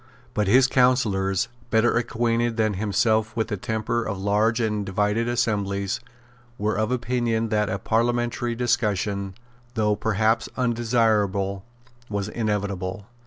But his counsellors, better acquainted than himself with the temper of large and divided assemblies, were of opinion that a parliamentary discussion, though perhaps undesirable, was inevitable.